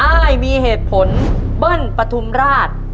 อ้ายมีเหตุผลเบิ้ลปฐุมราช